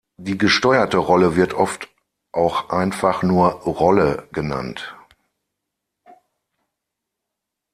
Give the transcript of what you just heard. Die gesteuerte Rolle wird oft auch einfach nur Rolle genannt.